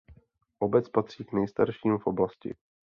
Obec patří k nejstarším v oblasti.